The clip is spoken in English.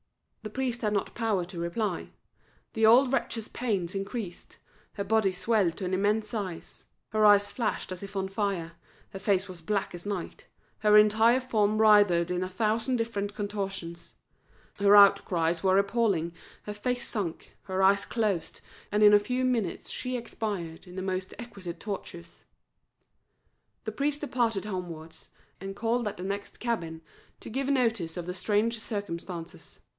The priest had not power to reply; the old wretch's pains increased; her body swelled to an immense size; her eyes flashed as if on fire, her face was black as night, her entire form writhed in a thousand different contortions; her outcries were appalling, her face sunk, her eyes closed, and in a few minutes she expired in the most exquisite tortures. The priest departed homewards, and called at the next cabin to give notice of the strange circumstances.